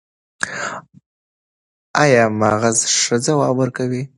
ایا مغز ښه ځواب ورکوي؟